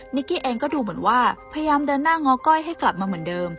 กี้เองก็ดูเหมือนว่าพยายามเดินหน้าง้อก้อยให้กลับมาเหมือนเดิม